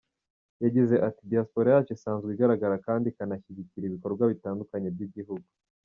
Yagize ati “Diaspora yacu isanzwe igaragara kandi ikanashyigikira ibikorwa bitandukanye by’igihugu.